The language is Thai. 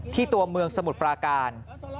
ตัวเมืองสมุทรปราการ